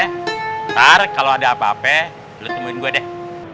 ntar kalo ada apa apa lu temuin gua deh